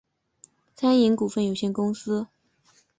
餐饮股份有限公司